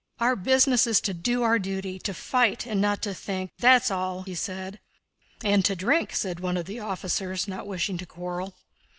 "Our business is to do our duty, to fight and not to think! That's all...." said he. "And to drink," said one of the officers, not wishing to quarrel.